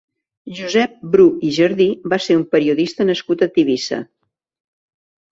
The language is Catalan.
Josep Bru i Jardí va ser un periodista nascut a Tivissa.